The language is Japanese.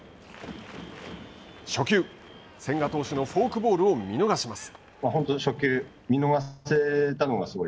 初球、千賀投手のフォークボールを見逃します。